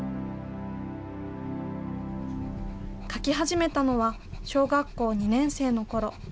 描き始めたのは小学校２年生のころ。